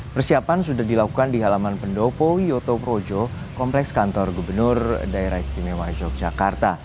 persiapan sudah dilakukan di halaman pendopo wiyoto projo kompleks kantor gubernur daerah istimewa yogyakarta